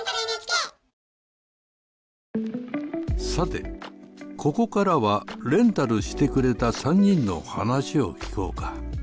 さてここからはレンタルしてくれた３人の話を聞こうか。